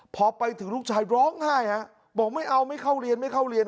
พอไปถึงลูกชายร้องไห้บอกไม่เอาไม่เข้าเรียนไม่เข้าเรียน